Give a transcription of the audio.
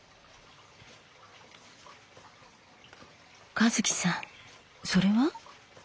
和樹さんそれは？